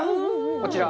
こちら。